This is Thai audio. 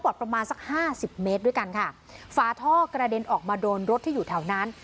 ประมาณสักห้าสิบเมตรด้วยกันค่ะฝาท่อกระเด็นออกมาโดนรถที่อยู่แถวนั้น